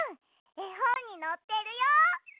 えほんにのってるよ。